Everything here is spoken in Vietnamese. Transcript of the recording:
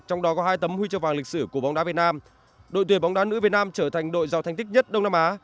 trong đó có hai tấm huy chương vàng lịch sử của bóng đá việt nam đội tuyển bóng đá nữ việt nam trở thành đội giàu thành tích nhất đông nam á